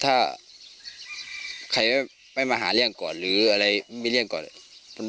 ถ้าใครไม่มาหาเรื่องก่อนหรืออะไรมีเรื่องก่อน